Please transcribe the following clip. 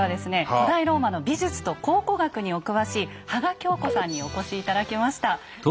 古代ローマの美術と考古学にお詳しい芳賀京子さんにお越し頂きました。